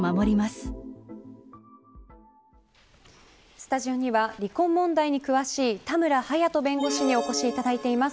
スタジオには離婚問題に詳しい田村勇人弁護士にお越しいただいています。